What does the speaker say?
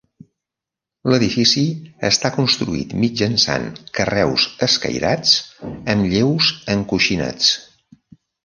L'edifici està construït mitjançant carreus escairats amb lleus encoixinats.